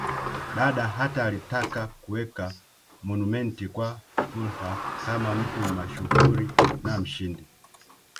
Dada hata alitaka kuweka monument kwa Fuhrer kama mtu mashuhuri na mshindi